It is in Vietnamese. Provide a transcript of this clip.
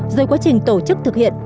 rồi quá trình tổ chức thực hiện